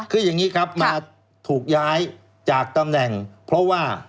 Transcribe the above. คืออย่างนี้ครับมาถูกย้ายจากตำแหน่งเพราะว่า